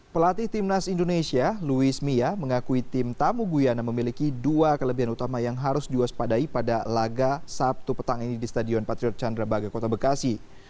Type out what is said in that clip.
pelatih timnas indonesia luis mia mengakui tim tamu guyana memiliki dua kelebihan utama yang harus diwaspadai pada laga sabtu petang ini di stadion patriot candrabaga kota bekasi